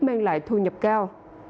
mang lại thu nhập cao